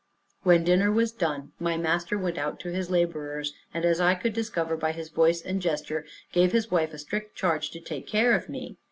When dinner was done, my master went out to his laborers, and as I could discover by his voice and gesture gave his wife a strict charge to take care of me.